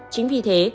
chính vì thế